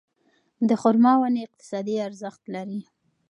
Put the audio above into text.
د خورما ونې اقتصادي ارزښت لري.